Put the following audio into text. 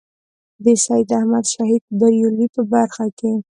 د سید احمد شهید برېلوي په برخه کې.